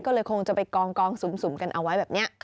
ก็เลยคงจะไปกองสุ่มกันเอาไว้แบบนี้